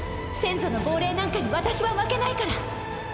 先祖の亡霊なんかに私は負けないから。